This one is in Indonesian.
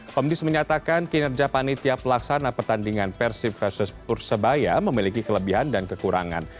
komdis menyatakan kinerja panitia pelaksana pertandingan persib versus persebaya memiliki kelebihan dan kekurangan